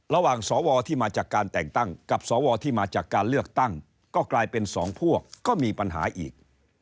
ระหว่างสวที่มาจากการแต่งตั้งกับสวที่มาจากการเลือกตั้งก็กลายเป็นสองพวกก็มีปัญหาอีก